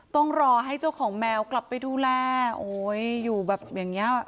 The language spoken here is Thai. ต้องรอให้เจ้าของแมวกลับไปดูแลโอ้ยอยู่แบบอย่างเงี้ย